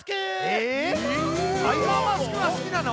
えタイガーマスクがすきなの？